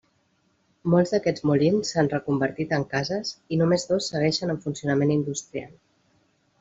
Molts d'aquests molins s'han reconvertit en cases i només dos segueixen en funcionament industrial.